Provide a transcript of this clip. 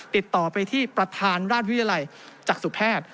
ติดต่อไปที่ประธานราชวิทยาลัยจักษุแพทย์